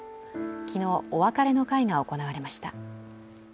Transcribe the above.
昨日、お別れの会が行われました。